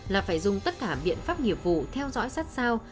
là phải dùng tất cả biện pháp nghiệp vụ theo dõi sát sao